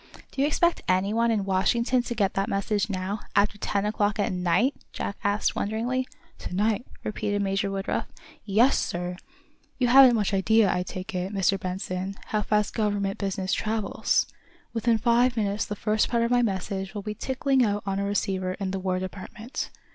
"Do you expect anyone in Washington to get that message now, after ten o'clock at night?" Jack asked, wonderingly. "To night?" repeated Major Woodruff. "Yes, sir! You haven't much idea, I take it, Mr. Benson, how fast government business travels. Within five minutes the first part of my message will be ticking out on a receiver in the War Department.